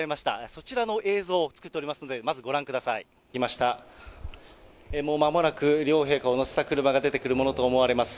そちらの映像作っておりますので、まずご覧ください。来ました、もうまもなく両陛下を乗せた車が出てくるものと思われます。